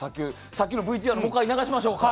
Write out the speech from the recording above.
さっきのＶＴＲもう１回流しましょうか？